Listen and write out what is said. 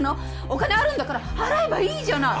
お金あるんだから払えばいいじゃない！